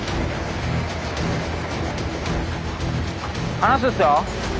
離すっすよ。